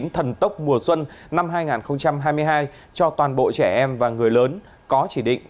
thần tốc mùa xuân năm hai nghìn hai mươi hai cho toàn bộ trẻ em và người lớn có chỉ định